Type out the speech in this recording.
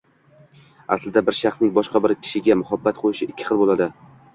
Aslida bir shaxsning boshqa bir kishiga muhabbat qo‘yishi ikki xil bo‘ladi